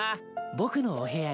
僕のお部屋へ。